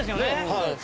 はい。